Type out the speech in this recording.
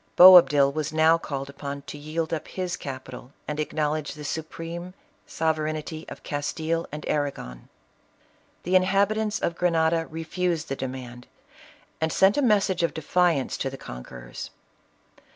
Boabdil was now called upon to yield up his capital, and acknowledge the supreme sovereignty of Castile and Arragon. The inhabitants of Grenada refused the demand, and sent a message of defiance to the con querors.